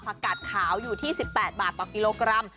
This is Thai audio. กัดขาวอยู่ที่๑๘บาทต่อกิโลกรัม